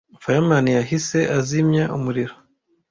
Fireman yahise azimya umuriro.